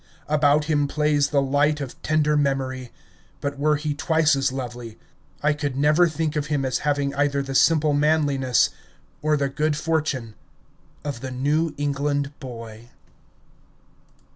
About him plays the light of tender memory; but were he twice as lovely, I could never think of him as having either the simple manliness or the good fortune of the New England boy.